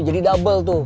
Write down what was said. jadi double tuh